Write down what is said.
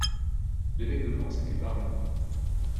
L’évêque de Vence était baron.